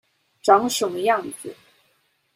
長什麼樣子